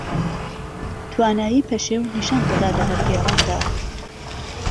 توانایی پەشێو نیشان دەدا لە وەرگێڕاندا